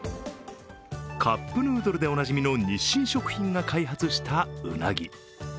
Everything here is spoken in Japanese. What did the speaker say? カップヌードルでおなじみの日清食品が開発したうなぎ。